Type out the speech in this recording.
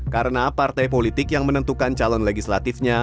karena partai politik yang menentukan calon legislatifnya